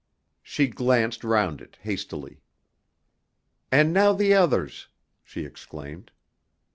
She glanced round it hastily. "And now the others!" she exclaimed.